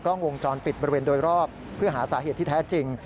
กล้องวงจรปิดบริเวณโดยรอบเพื่อหาสาเหตุที่แท้จริง